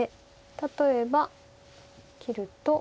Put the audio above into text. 例えば切ると。